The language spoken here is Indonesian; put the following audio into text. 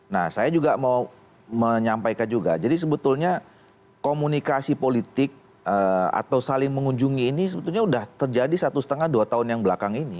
nah saya juga mau menyampaikan juga jadi sebetulnya komunikasi politik atau saling mengunjungi ini sebetulnya sudah terjadi satu setengah dua tahun yang belakang ini